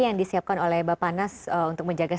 yang disiapkan oleh bapak nas untuk menjaga